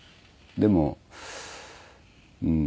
でもうん。